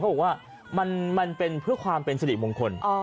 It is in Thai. ก็บอกว่ามันเป็นเพื่อความเป็นสิ่วสินิ